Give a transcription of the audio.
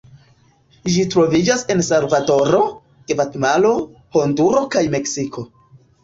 Ĝi troviĝas en Salvadoro, Gvatemalo, Honduro kaj Meksiko.